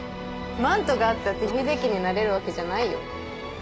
マントがあったって秀樹になれるわけじゃないよ。